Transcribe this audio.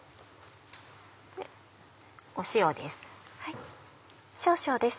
塩です。